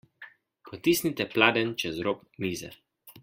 Potisnite pladenj čez rob mize.